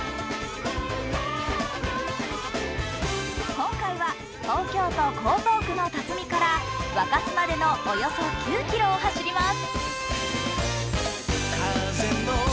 今回は東京都江東区の辰巳から若洲までのおよそ９ｋｍを走ります。